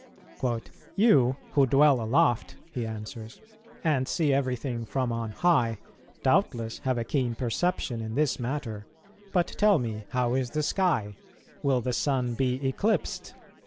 "You, who dwell aloft," he answers, "and see everything from on high, doubtless have a keen perception in this matter; but tell me, how is the sky? will the Sun be eclipsed?